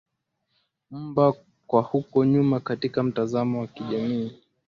mba kwa huko nyuma katika mtazamo wa kijamii